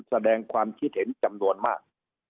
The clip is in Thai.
แสดงความคิดเห็นจำนวนมาก